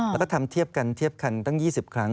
แล้วก็ทำเทียบกันเทียบคันตั้ง๒๐ครั้ง